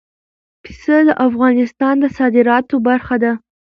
پسه د افغانستان د صادراتو برخه ده.